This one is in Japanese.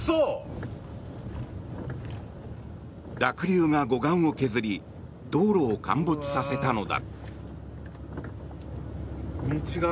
濁流が護岸を削り道路を陥没させたのだ。